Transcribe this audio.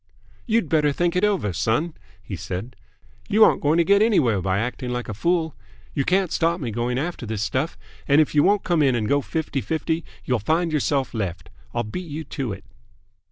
"You'd better think it over, son," he said. "You aren't going to get anywhere by acting like a fool. You can't stop me going after this stuff, and if you won't come in and go fifty fifty, you'll find yourself left. I'll beat you to it."